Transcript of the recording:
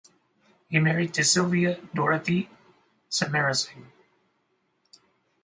He married to Sylvia Dorothy Samarasinghe.